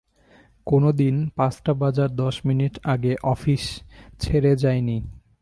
কোনো দিন পাঁচটা বাজার দশ মিনিট আগে অফিস ছেড়ে যান নি।